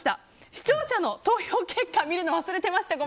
視聴者の投票結果見るの忘れてました。